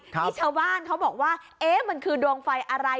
ที่ชาวบ้านเขาบอกว่าเอ๊ะมันคือดวงไฟอะไร